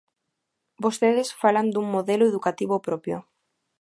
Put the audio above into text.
Vostedes falan dun modelo educativo propio.